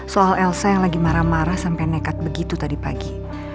soal elsa yang lagi marah marah sampai nekat begitu tadi pagi